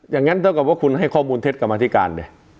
อย่างนั้นก็กรบว่าคุณให้ข้อมูลทะกรมาธิการ